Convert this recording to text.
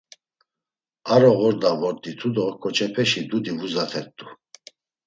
Aroğorda vort̆itu do ǩoçepeşi dudi vuzatert̆u.